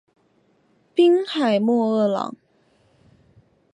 滨海莫厄朗。